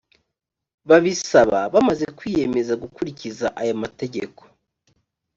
babisaba bamaze kwiyemeza gukurikiza aya mategeko